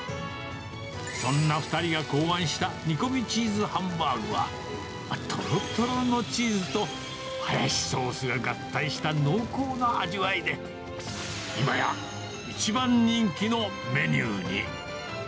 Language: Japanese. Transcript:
そんな２人が考案した煮込みチーズハンバーグは、とろとろのチーズと、ハヤシソースが合体した濃厚な味わいで、今や一番人気のメニューに。